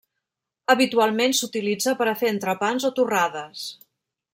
Habitualment s'utilitza per a fer entrepans o torrades.